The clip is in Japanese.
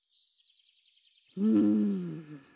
うん。